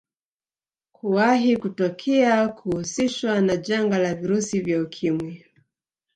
Kuwahi kutokea kuhusishwa na janga la virusi vya Ukimwi